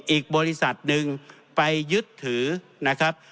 อีกบริษัทหนึ่งไปยึดถือนะครับ